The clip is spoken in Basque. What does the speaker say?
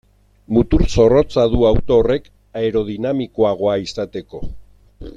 Mutur zorrotza du auto horrek aerodinamikoagoa izateko.